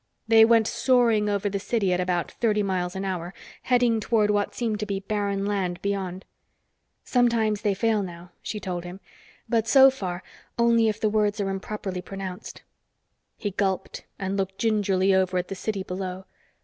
They went soaring over the city at about thirty miles an hour, heading toward what seemed to be barren land beyond. "Sometimes they fail now," she told him. "But so far, only if the words are improperly pronounced." He gulped and looked gingerly over at the city below.